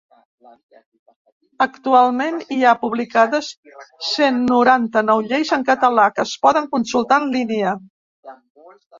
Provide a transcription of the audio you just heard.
Actualment, hi ha publicades cent noranta-nou lleis en català que es poden consultar en línia.